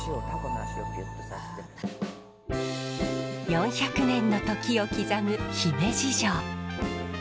４００年の時を刻む姫路城。